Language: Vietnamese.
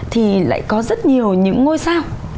thì lại có rất nhiều những ngôi sao